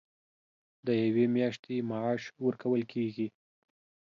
د یوې میاشتې معاش ورکول کېږي.